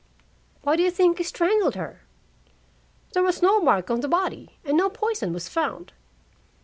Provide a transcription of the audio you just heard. "Why do you think he strangled her?" "There was no mark on the body, and no poison was found."